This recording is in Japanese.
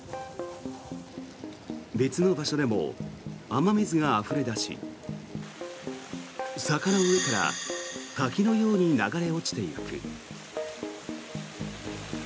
別の場所でも雨水があふれ出し坂の上から滝のように流れ落ちていく。